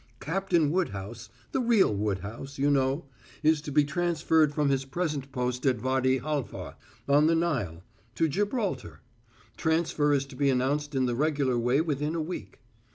"Captain Woodhouse the real Woodhouse, you know is to be transferred from his present post at Wady Halfa, on the Nile, to Gibraltar transfer is to be announced in the regular way within a week.